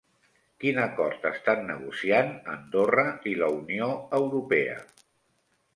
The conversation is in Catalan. Quin acord estan negociant Andorra i la Unió Europea?